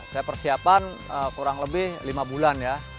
saya persiapan kurang lebih lima bulan ya